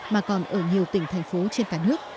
mà còn ở nhiều tỉnh thành phố trên cả nước